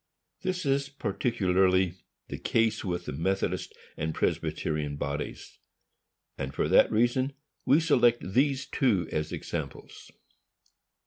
This is particularly the case with the Methodist and Presbyterian bodies, and for that reason we select these two as examples.